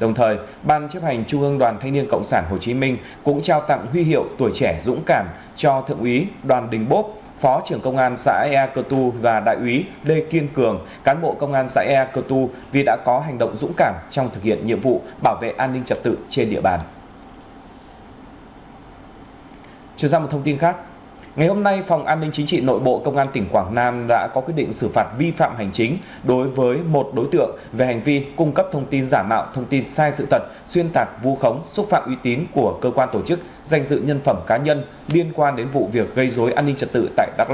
cũng trong ngày hôm nay ban chấp hành trung ương đoàn thanh niên cộng sản hồ chí minh tặng huy hiệu tuổi trẻ dũng cảm đối với đại úy hà tuấn anh thiêu tá trần quốc thắng cán bộ công an xã ea tiêu huyện triều quynh tỉnh đắk lắc và đại úy nguyễn đăng nhân cán bộ công an xã ea cờ tu huyện triều quynh tỉnh đắk lắc và đại úy nguyễn đăng nhân cán bộ công an xã ea cờ tu huyện triều quynh tỉnh đắk lắc và đại úy nguyễn đăng nhân cán bộ công an xã ea c